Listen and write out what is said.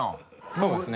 そうですね。